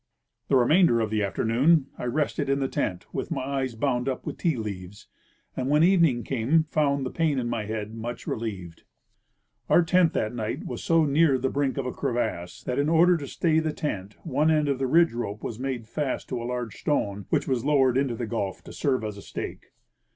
The remainder of the afternoon I rested in the tent, with my eyes bound up with tea leaves, and when evening came found the pain in my head much relieved. Our tent that night was so near the brink of a crevasse that in order to stay the tent one end of the ridge rope Avas made fast to a large stone, which was loAvered into the gulf to serve as a stake.